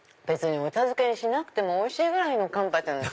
別にお茶漬けにしなくてもおいしいぐらいのカンパチ。